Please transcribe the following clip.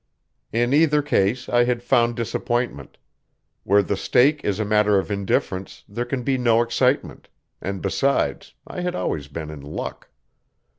In either case I had found disappointment; where the stake is a matter of indifference there can be no excitement; and besides, I had been always in luck.